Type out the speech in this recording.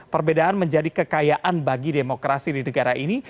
perbedaan menjadi kekayaan bagi demokrasi di negara ini